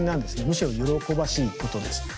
むしろ喜ばしいことです。